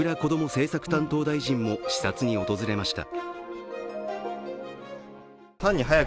政策担当大臣も視察に訪れました。